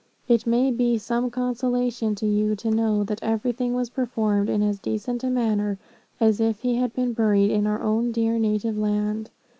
It may be some consolation to you to know that everything was performed in as decent a manner, as if he had been buried in our own dear native land.